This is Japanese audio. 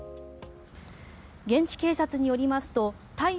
現地警察によりますとタイ